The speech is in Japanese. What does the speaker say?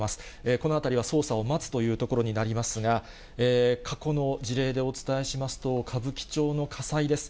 このあたりは捜査を待つというところになりますが、過去の事例でお伝えしますと、歌舞伎町の火災です。